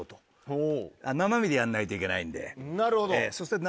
なるほど。